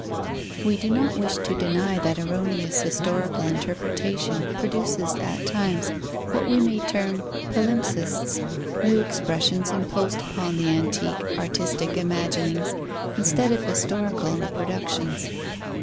We do not wish to deny that erroneous historical interpretation produces at times what we may term palimpsests, new expressions imposed upon the antique, artistic imaginings instead of historical reproductions.